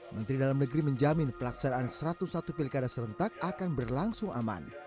menteri dalam negeri menjamin pelaksanaan satu ratus satu pilkada serentak akan berlangsung aman